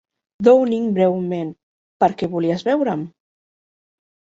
Downing breument, "per què volies veure'm?